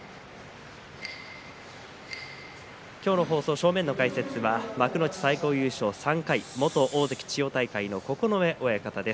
正面の解説は幕内最高優勝３回元大関千代大海の九重親方です。